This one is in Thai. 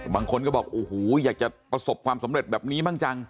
บางคนก็บอกโอ้โหอยากจะประสบความสำเร็จแบบนี้บ้างจัง